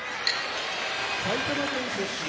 埼玉県出身